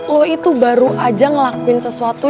lo itu baru aja ngelakuin sesuatu